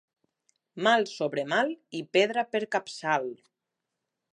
Mal sobre mal i pedra per capçal.